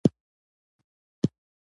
د مخمس د هر بند په پای کې بیت راوړل.